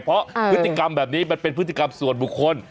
เพราะพฤติกรรมแบบนี้มันเป็นพฤติกรรมส่วนบุคคล